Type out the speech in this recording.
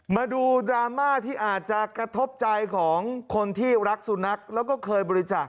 มาดูดราม่าที่อาจจะกระทบใจของคนที่รักสุนัขแล้วก็เคยบริจาค